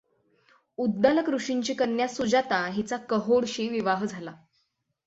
उद्दालक ऋषींची कन्या सुजाता हिचा कहोडशी विवाह झाला.